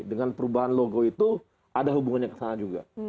dengan perubahan logo itu ada hubungannya ke sana juga